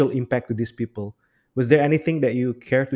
apakah ada sesuatu yang anda ingin bagikan